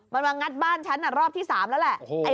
มันมางัดบ้านฉันรอบที่๓แล้วแหละ